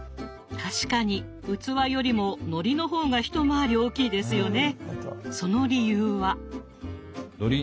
確かに器よりものりの方が一回り大きいですよね。